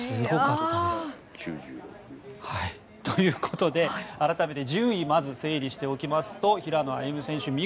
ということで改めて順位整理しておきますと平野歩夢選手